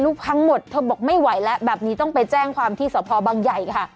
พังหมดเธอบอกไม่ไหวแล้วแบบนี้ต้องไปแจ้งความที่สพบังใหญ่ค่ะ